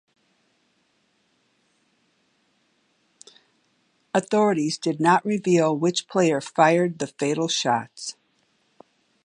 Authorities did not reveal which player fired the fatal shots.